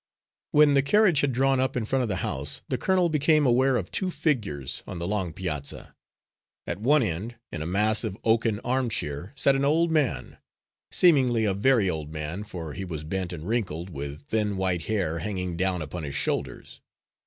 When the carriage had drawn up in front of the house, the colonel became aware of two figures on the long piazza. At one end, in a massive oaken armchair, sat an old man seemingly a very old man, for he was bent and wrinkled, with thin white hair hanging down upon his shoulders.